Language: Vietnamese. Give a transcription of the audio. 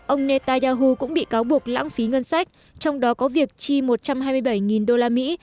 ông netanyahu cũng bị cáo buộc lãng phí ngân sách trong đó có việc chi một trăm hai mươi bảy đô la mỹ